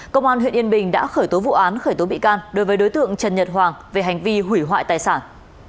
công an huyện yên bình đã khởi tố vụ án khởi tố bị can đối với đối tượng trần nhật hoàng về hành vi hủy hoại tài sản